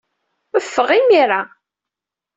Ffeɣ imir-a.